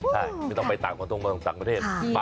ใช่ไม่ต้องไปต่างประเทศ